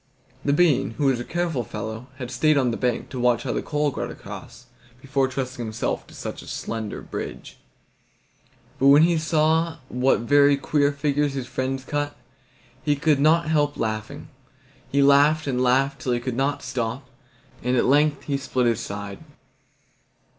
The bean, who was a careful fellow, had stayed on the bank, to watch how the coal got across, before trusting himself to such a slender bridge. But when he saw what very queer figures his friends cut, he could not help laughing. He laughed and laughed till he could not stop, and at length he split his side.